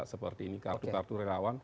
seperti ini kartu kartu relawan